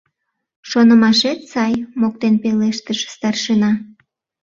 — Шонымашет сай! — моктен пелештыш старшина.